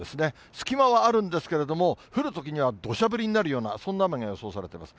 隙間はあるんですけれども、降るときにはどしゃ降りになるようなそんな雨が予想されています。